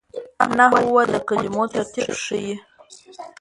نحوه د کلمو ترتیب ښيي.